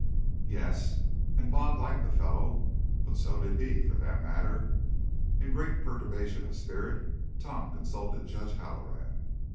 Yes, and "Bob" liked the fellow but so did he, for that matter. In great perturbation of spirit Tom consulted Judge Halloran.